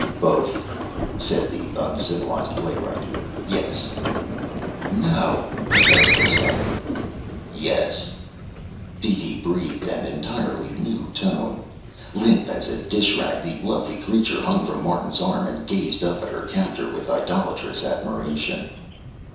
"Both," said the uncivilized playwright. "Yes." "No!" Erika said. "Yes," DeeDee breathed in an entirely new tone. Limp as a dishrag, the lovely creature hung from Martin's arm and gazed up at her captor with idolatrous admiration.